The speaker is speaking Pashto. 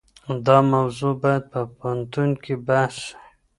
دا موضوع بايد په پوهنتون کي بحث سي.